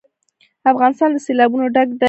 افغانستان له سیلابونه ډک دی.